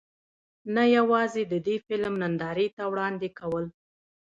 نۀ يواځې د دې فلم نندارې ته وړاندې کول